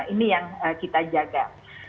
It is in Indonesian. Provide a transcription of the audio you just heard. ini yang kita jaga